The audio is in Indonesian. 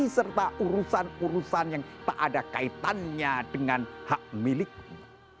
serta urusan urusan yang tak ada kaitannya dengan hak milikmu